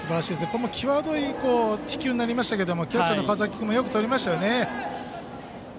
これも際どい捕球になりましたけどキャッチャーの川崎君もよくとりましたよね。